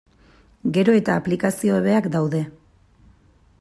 Gero eta aplikazio hobeak daude.